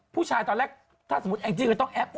พูดชายตอนแรกถ้าสมมติแนะนำจะต้องแอ๊บ